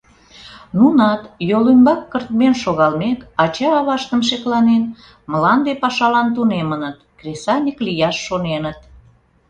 Нунат, йол ӱмбак кыртмен шогалмек, ача-аваштым шекланен, мланде пашалан тунемыныт, кресаньык лияш шоненыт.